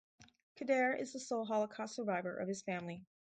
Kader is the sole Holocaust survivor of his family.